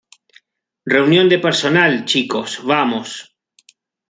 Reunión de personal, chicos. Vamos.